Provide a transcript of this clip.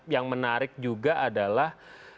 yang menarik juga adalah